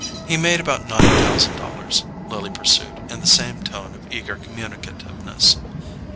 "He made about nine thousand dollars," Lily pursued, in the same tone of eager communicativeness.